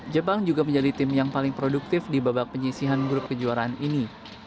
jepang juga menjadi tim yang paling produktif di babak penyisihan grup kejuaraan ini